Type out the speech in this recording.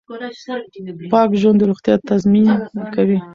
پاک ژوند د روغتیا تضمین کوي.